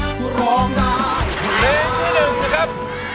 เพลงที่๑นะครับ